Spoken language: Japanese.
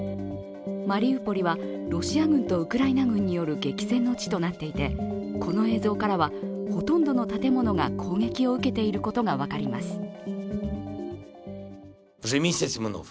マリウポリはロシア軍とウクライナ軍による激戦の地となっていてこの映像からは、ほとんどの建物が攻撃を受けていることが分かります。